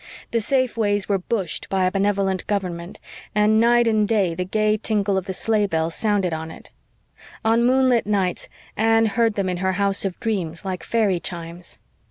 The safe ways were "bushed" by a benevolent Government, and night and day the gay tinkle of the sleigh bells sounded on it. On moonlit nights Anne heard them in her house of dreams like fairy chimes.